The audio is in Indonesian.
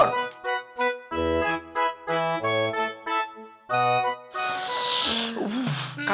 kalau salep gimana kan